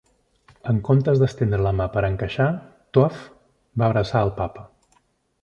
En comptes d'estendre la mà per encaixar, Toaff va abraçar el Papa.